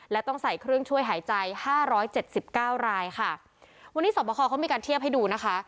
และต้องใส่เครื่องช่วยหายใจห้าร้อยเจ็ดสิบเก้ารายค่ะวันนี้สอบประคอเขามีการเทียบให้ดูนะคะ